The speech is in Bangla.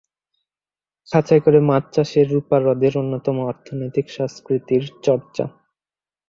খাঁচায় করে মাছ চাষের রুপা হ্রদের অন্যতম অর্থনৈতিক সংস্কৃতির চর্চা।